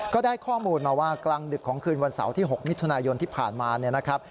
ก็ได้ข้อมูลมาว่ากลางดึกของคืนวันเสาร์ที่๖มิถุนายนที่ผ่านมาเนี่ยนะครับ